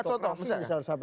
ya contoh misalnya